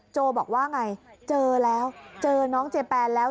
โจบอกว่าไงเจอแล้วเจอน้องเจแปนแล้ว